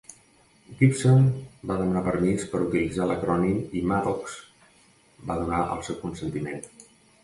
Gibson va demanar permís per utilitzar l'acrònim i Maddox va donar el seu consentiment.